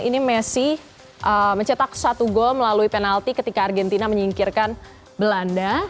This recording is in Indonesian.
ini messi mencetak satu gol melalui penalti ketika argentina menyingkirkan belanda